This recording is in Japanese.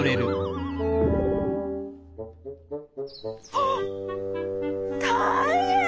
あったいへん！